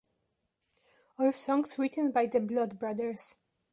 All songs written by The Blood Brothers.